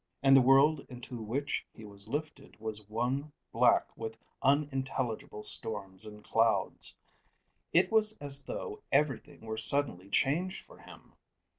And the world into which he was lifted was one black with unintelligible storms and clouds. It was as though everything were suddenly changed for him.